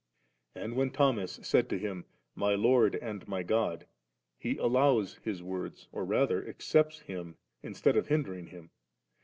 And when Thomas said to Him, * My Lord and my God %* He allows Us words^ or rather accepts him instead of hindering him.